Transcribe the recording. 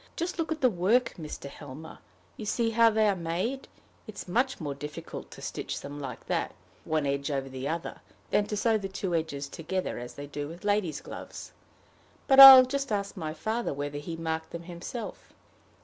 Just look at the work, Mr. Helmer. You see how they are made? It is much more difficult to stitch them like that, one edge over the other, than to sew the two edges together, as they do with ladies' gloves. But I'll just ask my father whether he marked them himself."